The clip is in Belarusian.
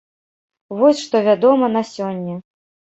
Вось што вядома на сёння.